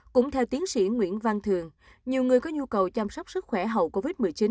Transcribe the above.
cũng theo tiến sĩ nguyễn văn thường nhiều người có nhu cầu chăm sóc sức khỏe hậu covid một mươi chín